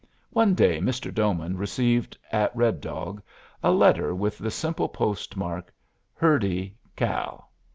One day Mr. Doman received, at Red Dog, a letter with the simple postmark, "Hurdy, Cal.